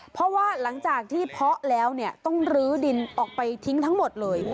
เพราะว่าหลังจากที่เพาะแล้วเนี่ยต้องลื้อดินออกไปทิ้งทั้งหมดเลย